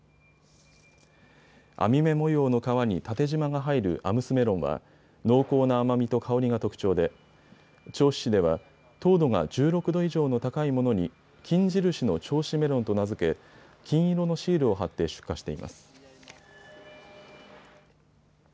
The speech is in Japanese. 網目模様の皮に縦じまが入るアムスメロンは濃厚な甘みと香りが特徴で銚子市では糖度が１６度以上の高いものに金印の銚子メロンと名付け金色のシールを貼って出荷しています。